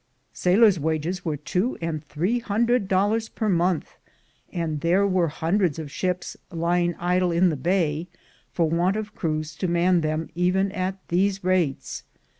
Sailors' wages were two and three hundred dollars per month, and there were hundreds of ships lying idle in the bay for want of crews to man them even at these rates.